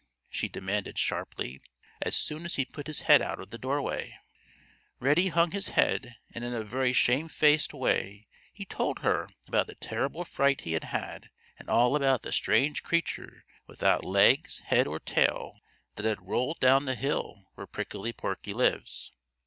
she demanded sharply, as soon as he put his head out of the doorway. Reddy hung his head, and in a very shamefaced way he told her about the terrible fright he had had and all about the strange creature without legs, head, or tail that had rolled down the hill where Prickly Porky lives.